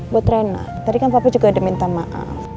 buat rena tadi kan papa juga ada minta maaf